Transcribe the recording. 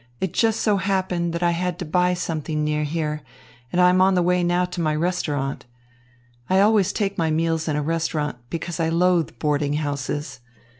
It just so happened that I had to buy something near here, and I am on the way now to my restaurant. I always take my meals in a restaurant, because I loathe boarding houses.